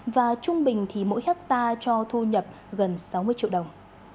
và trung bình thì mỗi hectare cho thu nhập gần sáu mươi triệu đồng